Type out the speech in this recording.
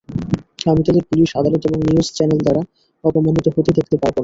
আমি তাদের পুলিশ, আদালত এবং নিউজ চ্যানেল দ্বারা অপমানিত হতে দেখতে পারব না।